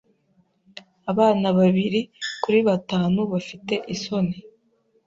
Abana babiri kuri batanu bafite isoni.